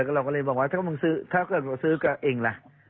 ก็เลยบอกว่าถ้าแต่เราซื้อกันถามมาเองล่ะ